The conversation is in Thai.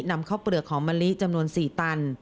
นำข้าวเปลือกหอมมะลิจำนวน๔ตัน